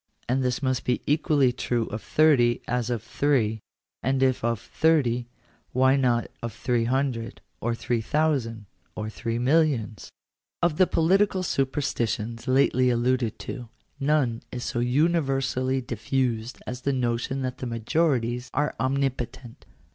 And this must be equally true of thirty as of three : and if of thirty, why not of three hundred, or three thousand, or three millions ? §4. Of the political superstitions lately alluded to, none is so universally diffused as the notion that majorities are omnipo tent.